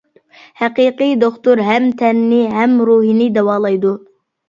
ھەقىقىي دوختۇر ھەم تەننى، ھەم روھنى داۋالايدۇ.